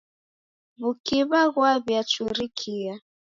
W'ukiw'a ghwawiachurikia.